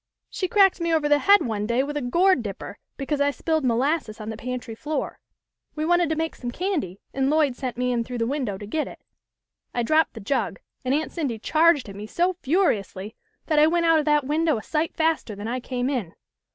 She cracked me over the head one day with a gourd dip per, because I spilled molasses on the pantry floor. We wanted to make some candy, and Lloyd sent me in through the window to get it. I dropped the jug, and Aunt Cindy charged at me so furiously that I went out of that window a sight faster than I came in.